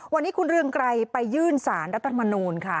วันนี้คุณเรืองไกรไปยื่นสารรัฐมนูลค่ะ